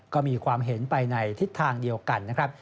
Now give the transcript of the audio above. ก็มีความเห็นไปในทิศทางเดียวกันนะครับ